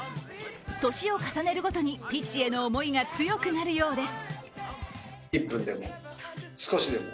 年を重ねるごとにピッチへの思いが強くなるようです。